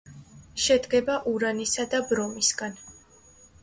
შედგება ურანისა და ბრომისგან.